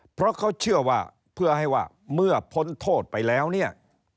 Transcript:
เพราะเขาเชื่อว่าเพื่อให้ว่าเมื่อพ้นโทษไปแล้วเนี่ย